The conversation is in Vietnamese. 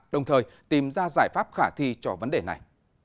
đồng thời tìm ra giải pháp khả thi cho vấn đề này